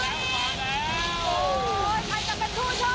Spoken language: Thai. ได้ไหม